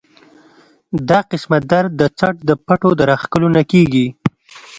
دا قسمه درد د څټ د پټو د راښکلو نه کيږي